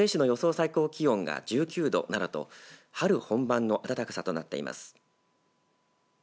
最高気温が１９度などと春本番の暖かさとなっています。